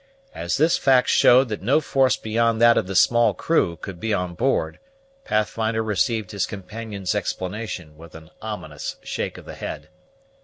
As this fact showed that no force beyond that of the small crew could be on board, Pathfinder received his companion's explanation with an ominous shake of the head.